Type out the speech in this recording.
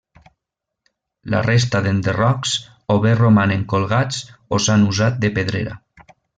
La resta d'enderrocs, o bé romanen colgats o s'han usat de pedrera.